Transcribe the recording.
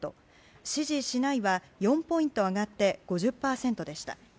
支持しないは４ポイント上がって５０％でした。